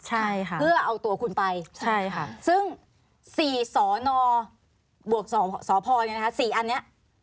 ใช่ค่ะเพื่อเอาตัวคุณไปซึ่งสี่สนบสพนี่นะคะสี่อันเนี่ย